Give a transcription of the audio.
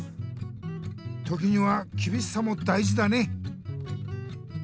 時にはきびしさも大事だね。